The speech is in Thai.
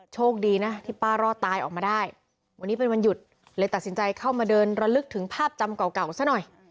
โชคดีนะที่ป้ารอดตายออกมาได้วันนี้เป็นวันหยุดเลยตัดสินใจเข้ามาเดินระลึกถึงภาพจำเก่าซะหน่อย